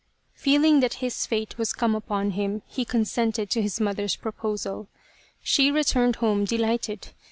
" Feeling that his fate was come upon him he con sented to his mother's proposal. She returned home delighted.